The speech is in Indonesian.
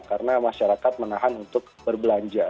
karena masyarakat menahan untuk berbelanja